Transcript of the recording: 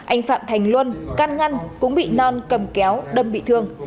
anh phạm thành luân can ngăn cũng bị non cầm kéo đâm bị thương